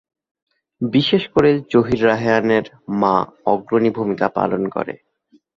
বিশেষ করে জহির রায়হানের মা অগ্রণী ভূমিকা পালন করেন।